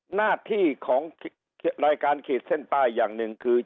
หน้าที่ของรายการขีดเส้นใต้อย่างหนึ่งคือ